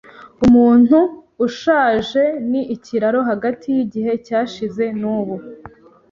Umuntu ushaje ni ikiraro hagati yigihe cyashize nubu.